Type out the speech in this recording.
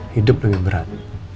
hidup lebih berat